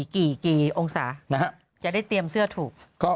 กี่องศาจะได้เตรียมเสื้อถูก